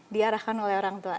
diarahkan oleh orang tua